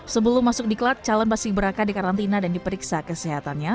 sebelum masuk diklat calon paski beraka dikarantina dan diperiksa kesehatannya